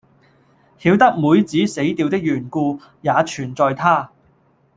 曉得妹子死掉的緣故，也全在他。